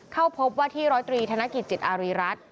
เข้าพบว่าที่ร้อยตรีธนกิจจิตอารีรัฐ